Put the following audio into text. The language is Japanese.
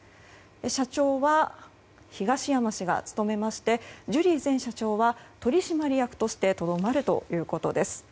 社長は東山氏が務めましてジュリー前社長は、取締役としてとどまるということです。